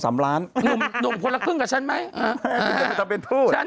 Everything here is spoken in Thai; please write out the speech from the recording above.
สามล้านหนุ่มหนุ่มคนละครึ่งกับฉันไหมอ่าจะเป็นทูตฉัน